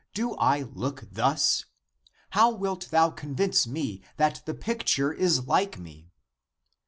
Do I look thus ...? How wilt thou convince me that the picture is like me